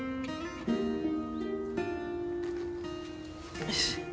よし。